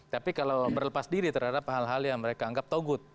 tapi kalau berlepas diri terhadap hal hal yang mereka anggap togut